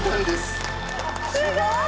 すごい！